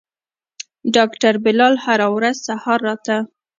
ډاکتر بلال هره ورځ سهار راته.